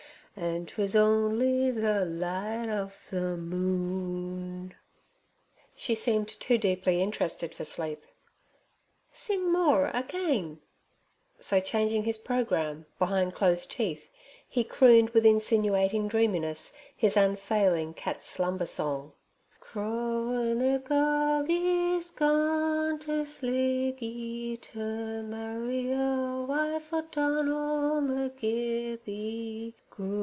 An' 'twas only the light of the moon."' She seemed too deeply interested for sleep. 'Sing more again.' So, changing his programme, behind closed teeth he crooned with insinuating dreaminess his unfailing cat's slumber song: '"Crowin aogies gone t' Sligie T' marry a wife for Donal' Magibbie.